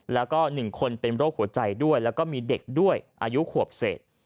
แล้วก็๑คนเป็นโรคหัวใจด้วยแล้วก็มีเด็กด้วยอายุขวบเศษ